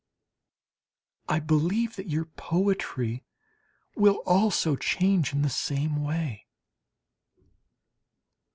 I believe that your poetry will also change in the same way.